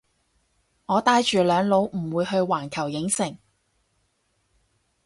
我帶住兩老唔會去環球影城